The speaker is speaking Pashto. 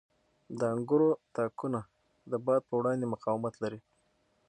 • د انګورو تاکونه د باد په وړاندې مقاومت لري.